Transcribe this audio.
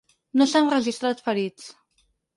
No s’han registrat ferits.